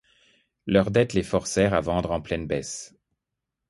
Leurs dettes les forcèrent à vendre en pleine baisse.